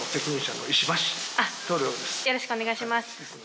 よろしくお願いします。